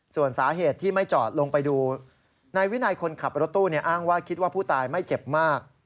ส่วนสาเหตุที่ไม่จอดลงไปดูนายวินัยคนขับรถตู้อ้างว่าคิดว่าผู้ตายไม่เจ็บมาก